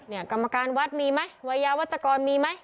กรรมการวัดมีไหมวัยยาวัชกรมีไหม